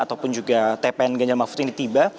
ataupun juga tpn ganjar mahfud ini tiba